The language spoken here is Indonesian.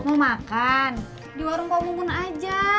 mau makan di warung kopi pun aja